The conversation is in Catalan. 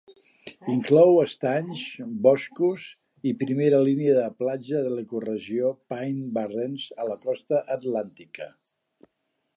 Inclou estanys, boscos i primera línia de platja de l'ecoregió "Pine Barrens" a la costa atlàntica.